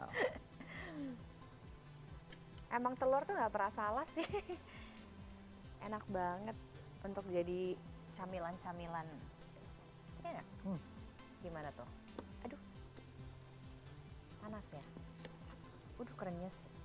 oke halo halo hai hai hai memang telur enggakperasa ala sih enak banget untuk jadi camilan camilan